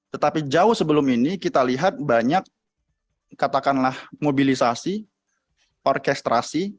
tetapi jauh sebelum ini kita lihat banyak katakanlah mobilisasi orkestrasi